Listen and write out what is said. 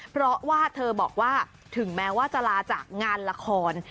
เพราะว่าเธอบอกว่าถึงแม้ว่าจะลาจากงานละคร